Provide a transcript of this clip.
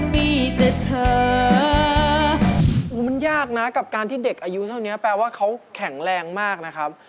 มีแต่เธอมันยากนะกับการที่เด็กอายุเท่านี้แปลว่าเขาแข็งแรงมากนะครับ